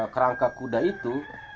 kerangka kuda itu